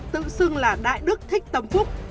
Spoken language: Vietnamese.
tự xưng là đại đức thích tâm phúc